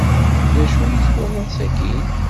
D acu ay twalaḍ sakkin?